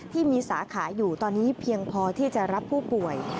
ที่มีสาขาอยู่ตอนนี้เพียงพอที่จะรับผู้ป่วย